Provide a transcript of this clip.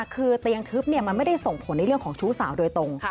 คือเตียงทึบมันไม่ได้ส่งผลในเรื่องของชู้สาวโดยตรง